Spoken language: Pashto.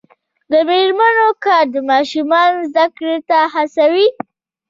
د میرمنو کار د ماشومانو زدکړې ته هڅوي.